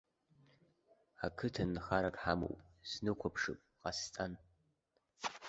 Ақыҭан нхарак ҳамоуп, снықәыԥшып ҟасҵан.